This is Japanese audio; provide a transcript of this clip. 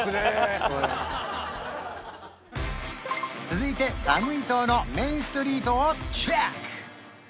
続いてサムイ島のメインストリートをチェック！